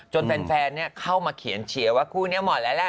จนแฟนเข้ามาเขียนเชียวว่าคู่นี้หมดแล้วล่ะ